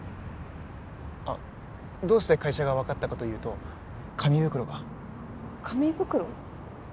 あっどうして会社が分かったかというと紙袋が紙袋？